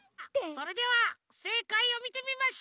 それではせいかいをみてみましょう。